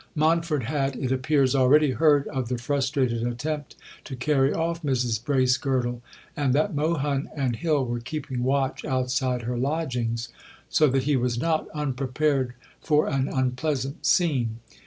Montford had, it appears, already heard of the frustrated attempt to carry off Mrs Bracegirdle, and that Mohun and Hill were keeping watch outside her lodgings; so that he was not unprepared for an unpleasant scene.